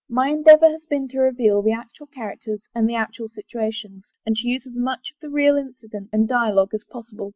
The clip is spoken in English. My endeavor has been to reveal the actual characters and the actual situations, and to use as much of the real incident and dialogue as possible.